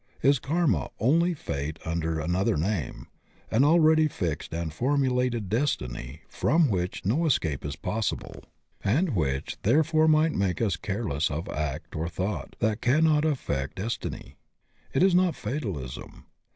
Is Karma only fate under another name, an already fixed and formulated destiny from which no escape is possible, and which therefore might make us careless of act or thought that cannot affect des tiny? It is not fatalism.